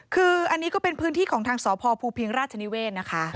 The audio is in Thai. คืออันนี้ก็เป็นพื้นที่ของทางสพภูพิงราชนิเวศนะคะ